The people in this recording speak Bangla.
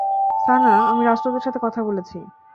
সানা, আমি রাষ্ট্রদূতের সাথে কথা বলেছি।